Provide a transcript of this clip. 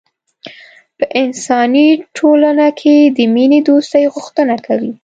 په انساني ټولنه کې د مینې دوستۍ غوښتنه کوي.